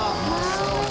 すごい。